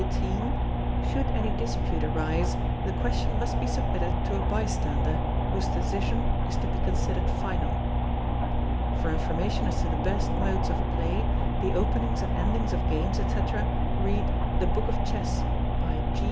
Should any dispute arise, the question must be submitted to a bystander, whose decision is to be considered final. For information as to the best modes of play, the Openings and Endings of Games, &c., read 'The Book of Chess', by G.